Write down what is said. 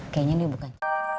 kayaknya dia bukan